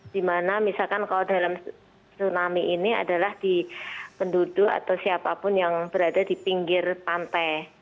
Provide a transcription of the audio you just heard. dimana misalkan kalau dalam tsunami ini adalah di penduduk atau siapapun yang berada di pinggir pantai